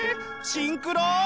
シンクロ！